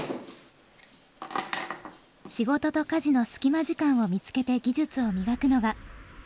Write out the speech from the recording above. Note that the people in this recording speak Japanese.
仕事と家事の隙間時間を見つけて技術を磨くのが新時代の職人。